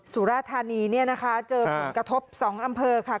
สุราธานีเนี่ยนะคะเจอผลกระทบ๒อำเภอค่ะ